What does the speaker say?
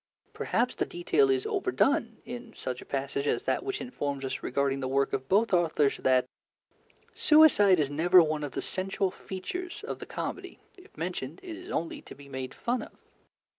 Perhaps the detail is overdone in such a passage as that which informs us regarding the work of both authors that "suicide is never one of the central features of the comedy; if mentioned, it is only to be made fun of."